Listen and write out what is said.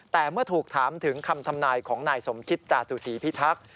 แต่เมื่อถูกถามถึงคำทำนายของนายสมคิตจาตุศีพิทักษ์